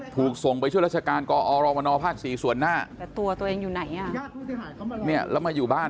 ถูกส่งไปช่วยราชการกอรมนภ๔ส่วนหน้าแต่ตัวตัวเองอยู่ไหนอ่ะเนี่ยแล้วมาอยู่บ้าน